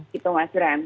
gitu mas ram